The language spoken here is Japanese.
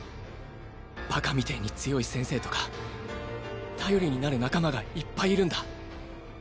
バカみてぇに強い先生とか頼りになる仲間がいっぱいいるんだ。